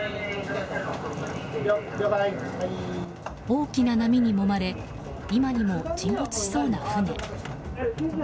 大きな波にもまれ今にも沈没しそうな船。